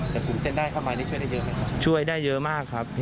แต่ผมจะได้เข้ามานี่ช่วยได้เยอะไหมครับช่วยได้เยอะมากครับ